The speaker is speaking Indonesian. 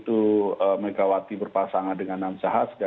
pemerintah juga sudah denyalkan bahwa